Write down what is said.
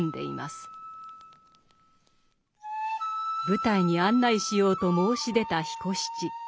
舞台に案内しようと申し出た彦七。